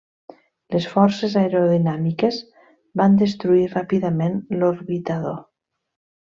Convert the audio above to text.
Les forces aerodinàmiques van destruir ràpidament l'orbitador.